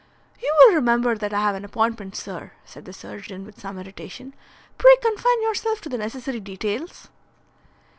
"You will remember that I have an appointment, sir," said the surgeon, with some irritation. "Pray confine yourself to the necessary details."